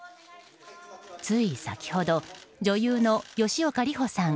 つい先ほど、女優の吉岡里帆さん